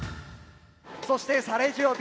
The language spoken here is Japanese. そしてサレジオ